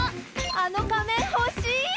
「あの仮面ほしい！」。